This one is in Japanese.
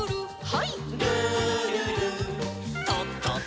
はい。